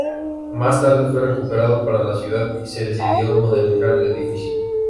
Más tarde fue recuperado para la ciudad y se decidió modernizar el edificio.